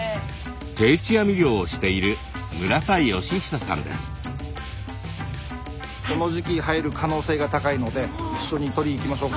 定置網漁をしているこの時期入る可能性が高いので一緒にとりにいきましょうか。